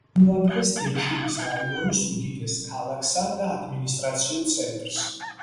წარმოადგენს დეჩინის რაიონის უდიდეს ქალაქსა და ადმინისტრაციულ ცენტრს.